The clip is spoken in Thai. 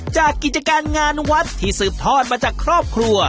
จากกิจการงานวัดที่ซื้อพรมาจากครอบครัว